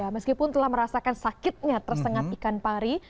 meskipun telah merasakan sakitnya tersengat ikan pari